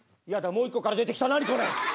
もう一個から出てきた何これ。